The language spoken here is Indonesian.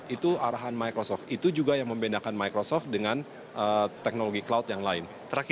itu arahan microsoft itu juga yang membedakan microsoft dengan teknologi cloud yang lain